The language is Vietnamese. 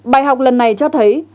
bài học lần này cho thấy